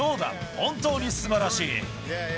本当にすばらしい。